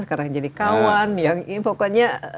sekarang jadi kawan yang ini pokoknya